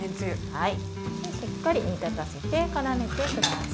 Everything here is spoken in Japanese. しっかり煮立たせてからめてください。